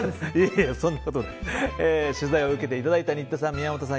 取材を受けていただいた新田さん、宮本さん